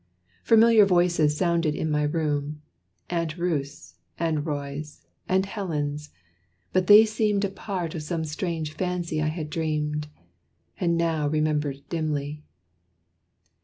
Familiar voices sounded in my room Aunt Ruth's and Roy's, and Helen's: but they seemed A part of some strange fancy I had dreamed, And now remembered dimly.